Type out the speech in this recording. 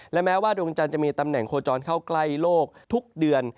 และแม้ว่าดวงจันทร์จะมีตำแหน่งโคจรเข้าใกล้โลกทุกเดือน